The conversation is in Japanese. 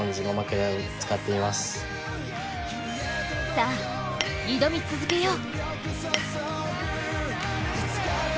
さあ、挑み続けよう。